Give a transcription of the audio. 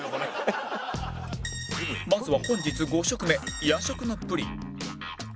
まずは本日５食目夜食のプリン